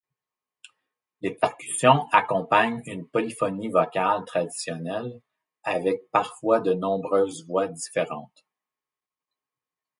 Les percussions accompagnent une polyphonie vocale traditionnelle avec parfois de nombreuses voix différentes.